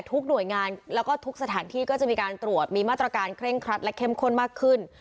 หน่วยงานแล้วก็ทุกสถานที่ก็จะมีการตรวจมีมาตรการเคร่งครัดและเข้มข้นมากขึ้น